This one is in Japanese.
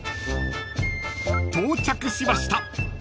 ［到着しました！］